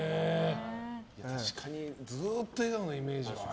確かにずっと笑顔なイメージはある。